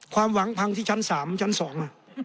ความหวังพังที่ชั้นสามชั้นสอง